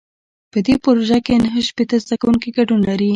په دې پروژه کې نهه شپېته زده کوونکي ګډون لري.